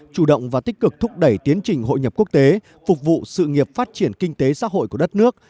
chủ động và tích cực thúc đẩy tiến trình hội nhập quốc tế phục vụ sự nghiệp phát triển kinh tế xã hội của đất nước